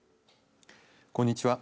こんにちは。